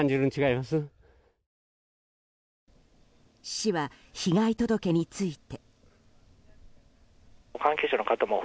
市は被害届について。